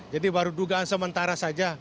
jadi baru dugaan sementara saja